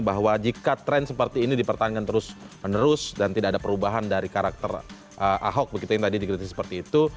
bahwa jika tren seperti ini dipertahankan terus menerus dan tidak ada perubahan dari karakter ahok begitu yang tadi dikritisi seperti itu